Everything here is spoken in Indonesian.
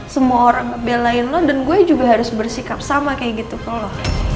semua orang membelain lo dan gue juga harus bersikap sama kayak gitu ke lo